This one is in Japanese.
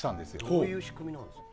どういう仕組みなんですか。